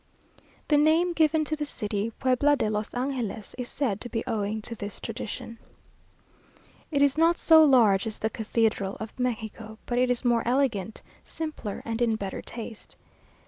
The name given to the city, "Puebla de los Angeles," is said to be owing to this tradition. It is not so large as the cathedral of Mexico, but it is more elegant, simpler, and in better taste.